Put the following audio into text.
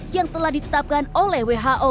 yang telah ditetapkan oleh